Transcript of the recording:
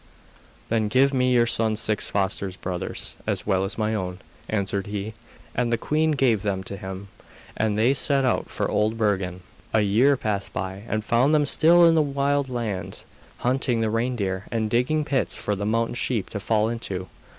'Then give me your son's six foster brothers as well as my own,' answered he. And the queen gave them to him, and they set out for Old Bergen. A year passed by, and found them still in that wild land, hunting the reindeer, and digging pits for the mountain sheep to fall into.